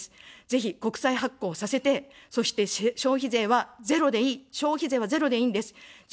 ぜひ国債発行させて、そして消費税はゼロでいい、消費税はゼロでいいんです。